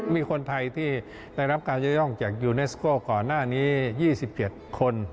มีคนไทยที่ได้รับการยกย่องจากยูเนสโก้ก่อนหน้านี้๒๗คน